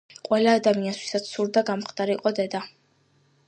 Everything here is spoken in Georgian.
ყველა ადამიანს ვისაც სურდა გამხდარიყო დედა.